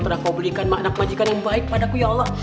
pernah kau belikan makna majikan yang baik padaku ya allah